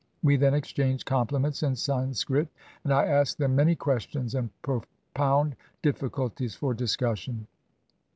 We then exchange compliments in Sanskrit, and I ask them many ques tions, and propound difficulties for discussion.